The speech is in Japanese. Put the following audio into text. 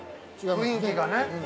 ◆雰囲気がね。